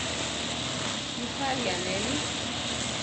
¿Mi páli anéli?